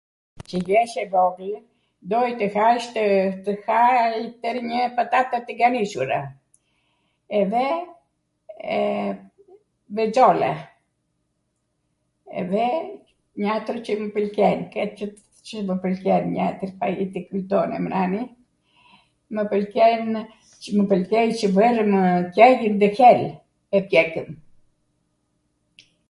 Cw jesh e vogwl, doj tw haj twrnjw patate tighanisura ... edhe bwrxolla, edhe njatwr qw mw pwlqen, qw mw pwlqen njatwr fai tw kwltonem nani. mw pwlqen, mw pwlqen qw vwrwmw cheli [???] e pjekwm.